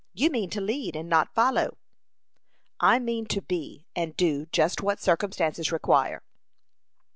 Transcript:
You mean to lead, and not follow." "I mean to be and do just what circumstances require."